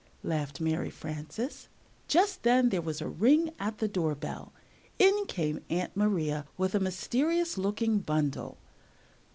laughed Mary Frances. Just then there was a ring at the door bell. In came Aunt Maria with a mysterious looking bundle.